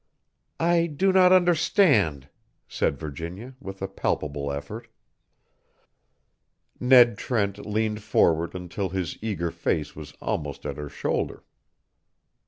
"I do not understand," said Virginia, with a palpable effort. Ned Trent leaned forward until his eager face was almost at her shoulder.